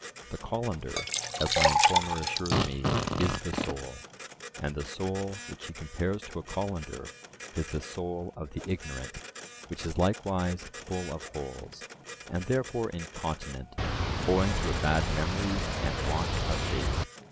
The colander, as my informer assures me, is the soul, and the soul which he compares to a colander is the soul of the ignorant, which is likewise full of holes, and therefore incontinent, owing to a bad memory and want of faith.